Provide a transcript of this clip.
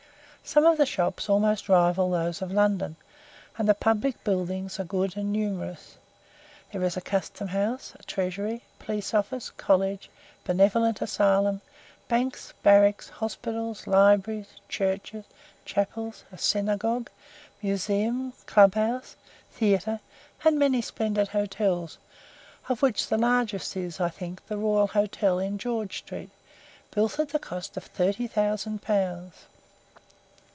Some of the shops almost rival those of London, and the public buildings are good and numerous. There is a custom house, a treasury, police office, college, benevolent asylum, banks, barracks, hospitals, libraries, churches, chapels, a synagogue, museum, club house, theatre, and many splendid hotels, of which the largest is, I think the "Royal Hotel," in George Street, built at the cost of 30,000 pounds.